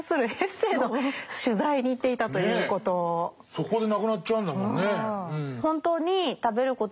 そこで亡くなっちゃうんだもんね。